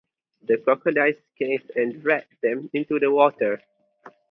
The crocodiles came and dragged them into the water.